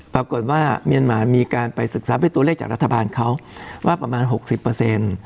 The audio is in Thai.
เมียนมามีการไปศึกษาด้วยตัวเลขจากรัฐบาลเขาว่าประมาณหกสิบเปอร์เซ็นต์